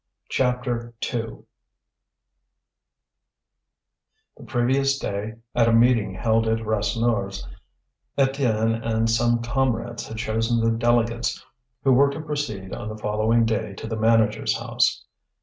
CHAPTER II The previous day, at a meeting held at Rasseneur's, Étienne and some comrades had chosen the delegates who were to proceed on the following day to the manager's house.